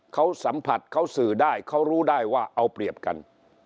เขาสัมผัสเขาสื่อได้เขารู้ได้ว่าเอาเปรียบกัน